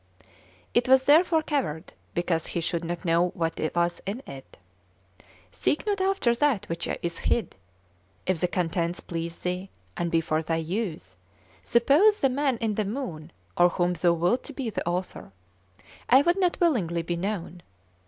It was therefore covered, because he should not know what was in it. Seek not after that which is hid; if the contents please thee, and be for thy use, suppose the Man in the Moon, or whom thou wilt to be the author; I would not willingly be known.